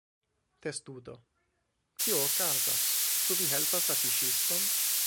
Testudo: "Kio okazas? Ĉu vi helpas la fiŝiston?"